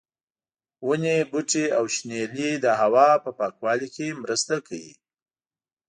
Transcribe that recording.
ونې، بوټي او شنېلی د هوا په پاکوالي کې مرسته کوي.